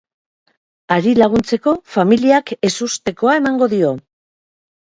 Hari laguntzeko, familiak ezustekoa emango dio.